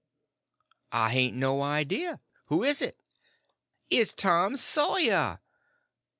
"I hain't no idea. Who is it?" "It's _Tom Sawyer!